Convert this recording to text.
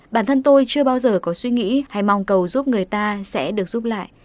bản thân tôi chưa bao giờ có suy nghĩ hay mong cầu giúp người ta sẽ được giúp lại